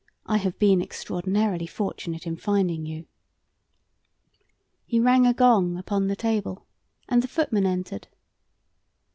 I have been extraordinarily fortunate in finding you." He rang a gong upon the table, and the footman entered.